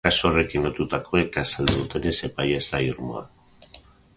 Kasu horrekin lotutakoek azaldu dutenez, epaia ez da irmoa.